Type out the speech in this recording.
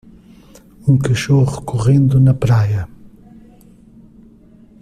Um cachorro correndo na praia.